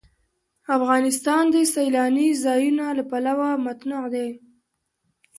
افغانستان د سیلانی ځایونه له پلوه متنوع دی.